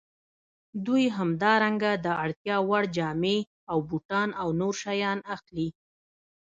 دوی همدارنګه د اړتیا وړ جامې او بوټان او نور شیان اخلي